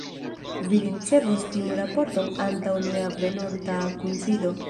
Vi ricevos tiun raporton antaŭ nia venonta kunsido.